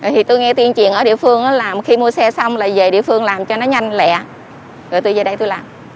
thì tôi nghe tiếng chuyện ở địa phương là khi mua xe xong là về địa phương làm cho nó nhanh lẹ rồi tôi về đây tôi làm